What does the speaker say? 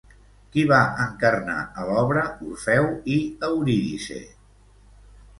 Qui va encarnar a l'obra Orfeu i Eurídice?